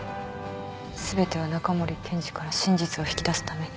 全ては中森検事から真実を引き出すために。